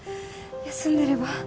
休んでれば